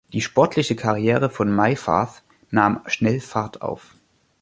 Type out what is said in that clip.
Die sportliche Karriere von Meyfarth nahm schnell Fahrt auf.